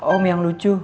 om yang lucu